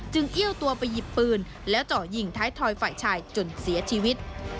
เอี้ยวตัวไปหยิบปืนแล้วเจาะยิงท้ายทอยฝ่ายชายจนเสียชีวิต